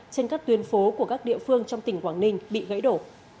trên các tuyến phố của các địa phương trong tỉnh quảng ninh bị gãy đổ